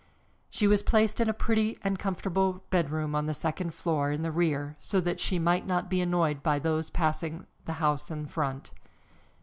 She was placed in a pretty and comfortable bedroom on the second floor in the rear, so that she might not be annoyed by those passing the house in front.